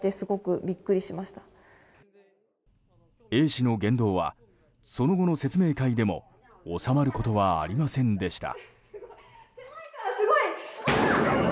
Ａ氏の言動はその後の説明会でも収まることはありませんでした。